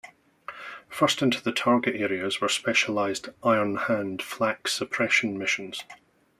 First into the target areas were specialized "Iron Hand" flak suppression missions.